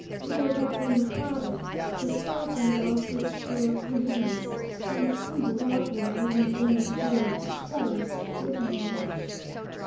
With a rattling clatter, the skeleton lost its frail coherence and tumbled outward, leaving Bruno fairly exposed within the niche.